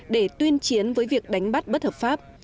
để tuyên chiến với việc đánh bắt bất hợp pháp